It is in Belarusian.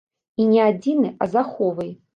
І не адзіны, а з аховай.